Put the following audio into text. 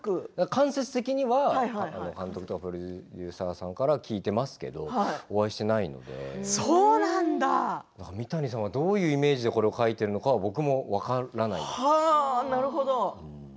間接的には監督さんとかプロデューサーさんから聞いてますけれどお会いしていないので三谷さんがどういうイメージでこれを書いているのか僕も分からないんです。